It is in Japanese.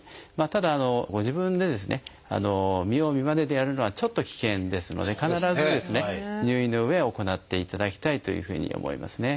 ただご自分で見よう見まねでやるのはちょっと危険ですので必ず入院のうえ行っていただきたいというふうに思いますね。